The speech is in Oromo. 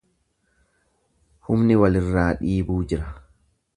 Humni walirraa dhiibuu jira.